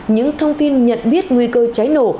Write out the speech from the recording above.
những thông tin nhận biết nguy cơ cháy nổ